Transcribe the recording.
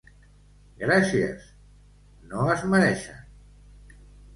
—Gràcies! —No es mereixen!